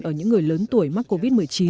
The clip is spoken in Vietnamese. ở những người lớn tuổi mắc covid một mươi chín